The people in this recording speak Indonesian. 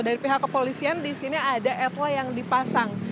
dari pihak kepolisian di sini ada atwa yang dipasang